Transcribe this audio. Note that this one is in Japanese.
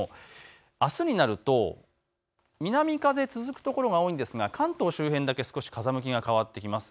あすになると南風続く所が多いですが関東周辺だけ風向きが変わってきます。